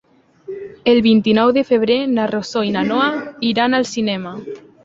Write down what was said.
El vint-i-nou de febrer na Rosó i na Noa iran al cinema.